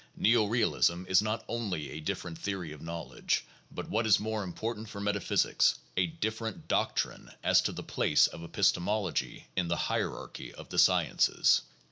Neo realism is not only a different theory of knowledge, but, what is more important for metaphysics, a different doctrine as to the place of epistemology in the hierachy of the sciences" (p.